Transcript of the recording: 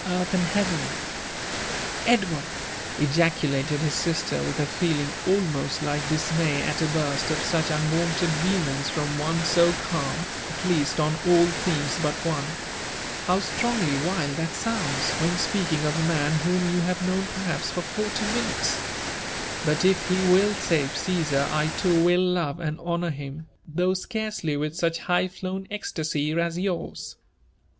earth and jheaven 1 "" Edward I" cjacuMed his sister with a feeling almost like diiamay Mi a burst of auch unwonted vehemence from one ao calm — at least join lall themAs but f^iiei bow stnomgly wild that sounds, when speaking of a mafi whom you have kuPWQ perhaps for lorty minutes I Sut; if 112 LIPB AND ADVENTURES 0^ he will saye Caesar, I too will loye and honour him, — ^though scarcely with such high flown ecstasy as yours."